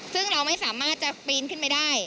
ซึ่งเราไม่สามารถจะปีนขึ้นไปได้